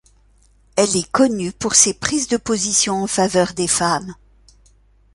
Elle est connue pour ses prises de position en faveur des femmes.